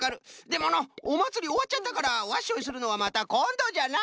でものうおまつりおわっちゃったから「わっしょい」するのはまたこんどじゃな。